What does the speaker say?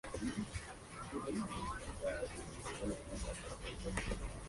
Allí enseñó lengua inglesa en diversas famosas escuelas de Johannesburgo.